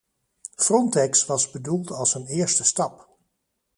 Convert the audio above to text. Frontex was bedoeld als een eerste stap.